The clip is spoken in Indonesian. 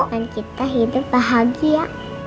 dan kita hidup bahagia